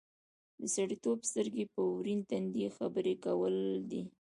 د سړیتوب سترګې په ورین تندي خبرې کول دي.